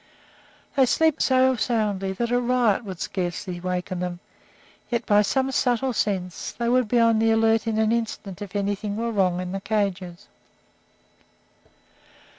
They sleep so soundly that a riot would scarcely waken them; yet, by some subtle sense, they would be on the alert in an instant if anything were wrong in the cages.